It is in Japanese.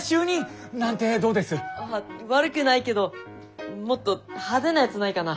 あっ悪くないけどもっと派手なやつないかな？